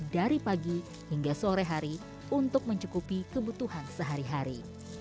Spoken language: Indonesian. dari pagi hingga sore hari untuk mencukupi kebutuhan sehari hari